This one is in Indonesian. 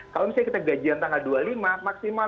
kalau misalnya kita gajian tanggal dua puluh lima maksimal